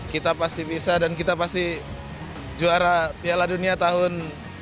kita pasti bisa dan kita pasti juara piala dunia tahun dua ribu dua puluh